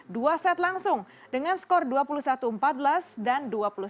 dua set langsung dengan skor dua puluh satu empat belas dan dua puluh satu enam belas